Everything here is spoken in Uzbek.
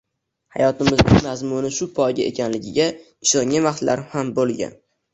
hayotimning mazmuni shu poyga ekanligiga ishongan vaqtlarim ham bo’lgan